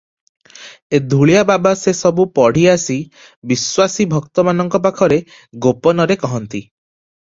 ଏ ଧୂଳିଆ ବାବା ସେ ସବୁ ପଢ଼ି ଆସି ବିଶ୍ୱାସୀ ଭକ୍ତମାନଙ୍କ ପାଖରେ ଗୋପନରେ କହନ୍ତି ।